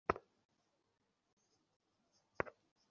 একে হত্যা করবে না, সে আমাদের উপকারে আসতে পারে।